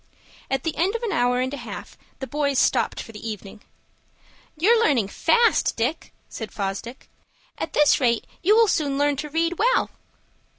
At the end of an hour and a half the boys stopped for the evening. "You're learning fast, Dick," said Fosdick. "At this rate you will soon learn to read well."